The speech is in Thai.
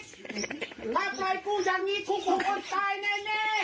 ถ้าปล่อยกูอย่างนี้กูเป็นคนตายแน่